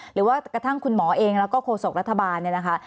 หรือว่ากระทั่งคุณหมอเองแล้วก็โฆษกรัฐบาลเนี่ยนะคะ